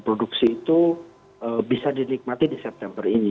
produksi itu bisa dinikmati di september ini